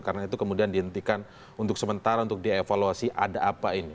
karena itu kemudian dihentikan untuk sementara untuk dievaluasi ada apa ini